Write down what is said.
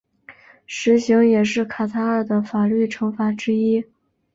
石刑也是卡塔尔的法律惩罚之一。